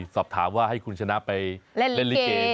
สอบถามว่าให้คุณชนะไปเล่นลิเก